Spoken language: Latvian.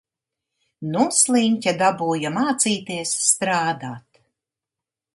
Nu sliņķe dabūja mācīties strādāt.